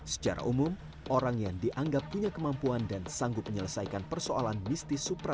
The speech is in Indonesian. secara umum orang yang dianggap punya kemampuan dan sanggup menyelesaikan persoalan mistis